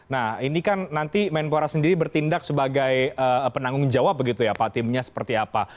nah ini kan nanti menpora sendiri bertindak sebagai penanggung jawab begitu ya pak timnya seperti apa